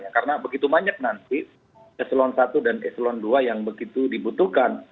karena begitu banyak nanti eselon satu dan eselon dua yang begitu dibutuhkan